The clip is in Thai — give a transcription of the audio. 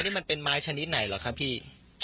แต่ทำเป็นของเราแล้วก็อยากไม้คืนน่ะพี่